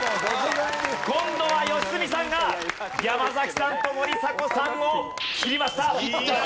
今度は良純さんが山崎さんと森迫さんを斬りました！